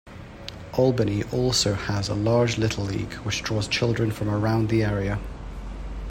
Albany also has a large little league, which draws children from around the area.